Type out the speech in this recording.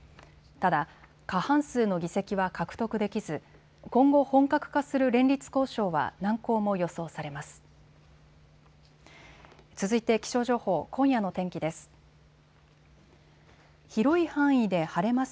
ただ、過半数の議席は獲得できず今後、本格化する連立交渉は難航も予想されます。